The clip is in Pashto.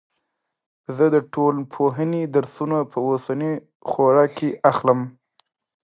زه د ټولنپوهنې درسونه په اوسنۍ خوره کې اخلم.